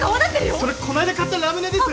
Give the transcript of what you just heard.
それこないだ買ったラムネです！